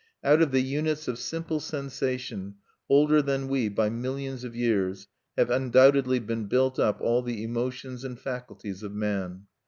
Out of the units of simple sensation, older than we by millions of years, have undoubtedly been built up all the emotions and faculties of man.